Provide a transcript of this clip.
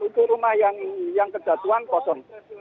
itu rumah yang kejatuhan kosong